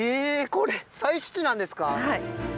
これ採取地なんですか。